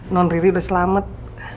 non riri udah selamat